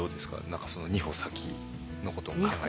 何かその二歩先のことを考える。